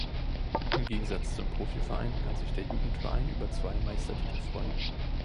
Im Gegensatz zum Profiverein kann sich der Jugendverein über zwei Meistertitel freuen.